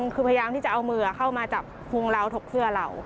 คือพยายามที่จะเอามือเข้ามาจับพุงเราถกเสื้อเรา